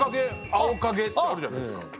「青影」ってあるじゃないですか。